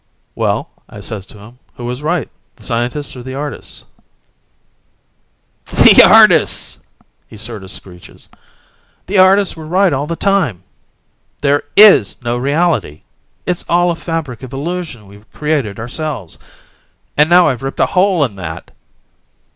"Well," I says to him, "who was right, the scientists or the artists?" "The artists!" he sorta screeches. "The artists were right all the time ... there is no reality! It's all a fabric of illusion we've created ourselves! And now I've ripped a hole in that!"